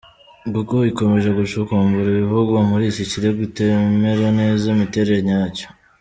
Google ikomeje gucukumbura ibivugwa muri iki kirego itemera neza imiterere yacyo.